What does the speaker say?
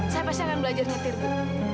saya pasti akan belajar nyetir bu